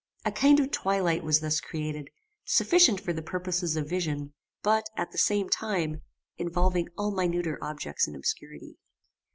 A kind of twilight was thus created, sufficient for the purposes of vision; but, at the same time, involving all minuter objects in obscurity.